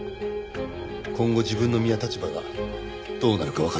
今後自分の身や立場がどうなるかわかっていた。